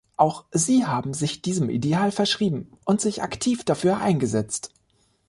Auch Sie haben sich diesem Ideal verschrieben und sich aktiv dafür eingesetzt.